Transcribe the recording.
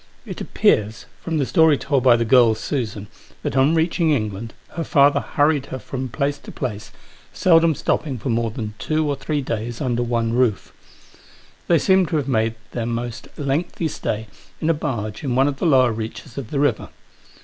It appears, from the story told by the girl, Susan, that on reaching England, her father hurried her from place to place, seldom stopping for more than two or three days under one roof. They seem to have made their most lengthy stay in a barge in one of the lower reaches of the river.